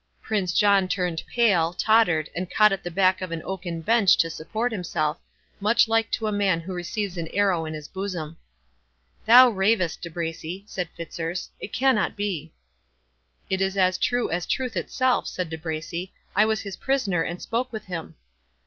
Prince John turned pale, tottered, and caught at the back of an oaken bench to support himself—much like to a man who receives an arrow in his bosom. "Thou ravest, De Bracy," said Fitzurse, "it cannot be." "It is as true as truth itself," said De Bracy; "I was his prisoner, and spoke with him."